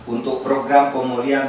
untuk program pemulihan